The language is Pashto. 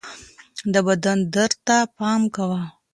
د بدن درد ته پام کوه